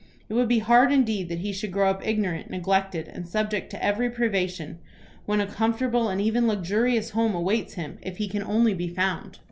It would be hard indeed that he should grow up ignorant, neglected, and subject to every privation, when a comfortable and even luxurious home awaits him, if he can only be found."